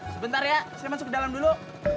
sebentar ya saya masuk ke dalam dulu